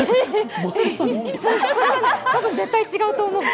それは絶対違うと思う。